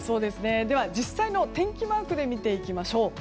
実際の天気マークで見ていきましょう。